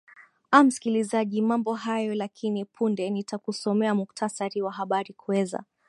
a msikilizaji mambo hayo lakini punde nitakusomea muktasari wa habari kuweza